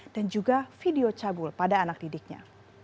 dan juga video cabul pada anak didiknya